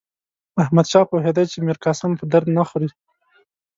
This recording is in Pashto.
احمدشاه پوهېدی چې میرقاسم په درد نه خوري.